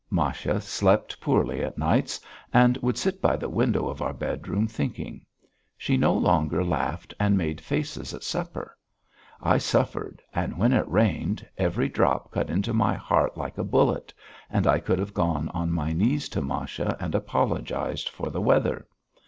Masha slept poorly at nights and would sit by the window of our bedroom thinking. She no longer laughed and made faces at supper. I suffered, and when it rained, every drop cut into my heart like a bullet, and I could have gone on my knees to Masha and apologised for the weather.